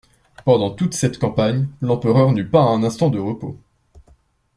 Pendant toute cette campagne l'empereur n'eut pas un instant de repos.